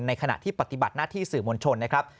ขณะที่ปฏิบัติหน้าที่สื่อมวลชนนะครับ